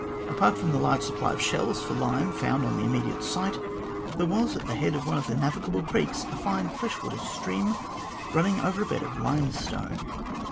Apart from the large supply of shells for lime on the immediate site, there was at the head of one of the navigable creeks a fine fresh water stream running over a bed of limestone.